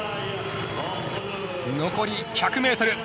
残り１００ｍ。